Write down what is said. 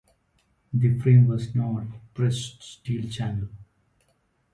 The frame was of pressed steel channel.